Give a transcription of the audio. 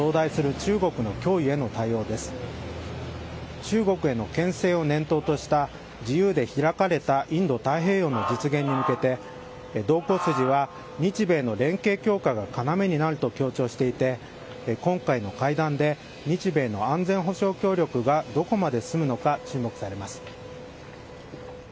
中国へのけん制を念頭とした自由で開かれたインド太平洋の実現に向けて同行筋は日米の連携強化が要になると強調していて今回の会談で日米の安全保障強力がどこまで進むのかが注目されます。